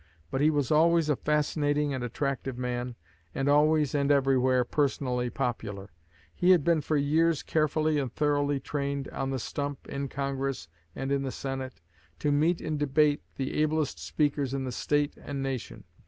But he was always a fascinating and attractive man, and always and everywhere personally popular. He had been for years carefully and thoroughly trained on the stump, in Congress, and in the Senate, to meet in debate the ablest speakers in the State and Nation.